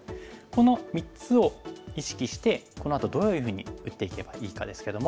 この３つを意識してこのあとどういうふうに打っていけばいいかですけども。